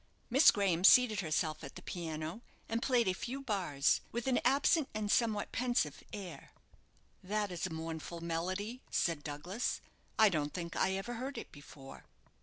Miss Graham seated herself at the piano, and played a few bars with an absent and somewhat pensive air. "That is a mournful melody," said Douglas. "I don't think I ever heard it before."